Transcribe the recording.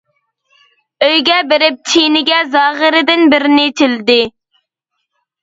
ئۆيىگە بېرىپ چىنىگە زاغرىدىن بىرنى چىلىدى.